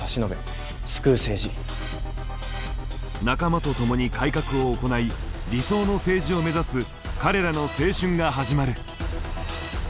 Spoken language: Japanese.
仲間と共に改革を行い理想の政治を目指す彼らの青春が始まる。